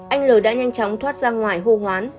anh l đã nhanh chóng thoát ra ngoài hô hoán